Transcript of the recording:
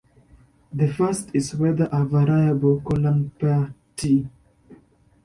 The first is whether a variable-column pair "t".